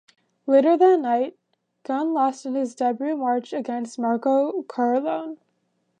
Later that night, Gunn lost in his debut match against Marco Corleone.